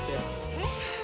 えっ？